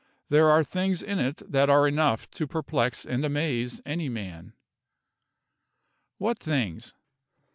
There are things in it that are enough to perplex and amaze any man!" "What things?"